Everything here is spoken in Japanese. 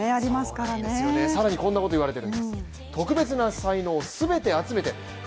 更に、こんなことを言われている。